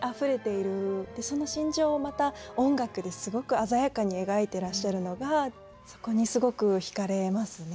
その心情をまた音楽ですごく鮮やかに描いてらっしゃるのがそこにすごく惹かれますね。